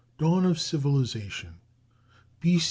DAWN OF CIVILIZATION B.